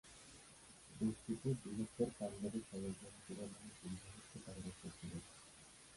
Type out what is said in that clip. বস্তুত, বৃহত্তর পাঞ্জাবের সমগ্র অঞ্চলের মানুষ যুদ্ধ করতে পারদর্শী ছিল।